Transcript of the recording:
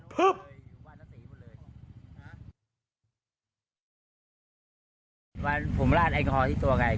ผมลาดแอลกอฮอล์ที่ตัวค่ะ